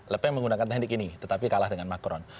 lepeng menggunakan teknik ini tetapi kalah dengan macron